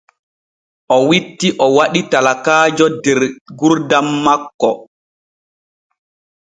O witti o waɗi talakaajo der gurdam makko.